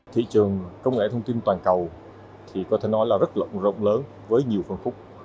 thị trường công nghệ thông tin toàn cầu thì có thể nói là rất rộng rộng lớn với nhiều phân khúc